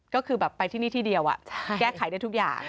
ก็คือแบบไปที่นี่ที่เดียวแก้ไขได้ทุกอย่าง